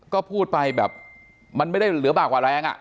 ก็พูดไปแบบมันไม่ได้เหลือบากกว่าแรง